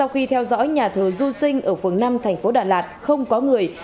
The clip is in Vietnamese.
khi theo dõi nhà thờ du sinh ở phường năm thành phố đà lạt không có người